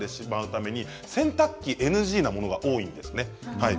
ため洗濯機ＮＧなものが多いんですね。